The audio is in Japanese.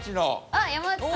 あっ山内さん。